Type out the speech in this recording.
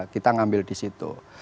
kita ngambil di situ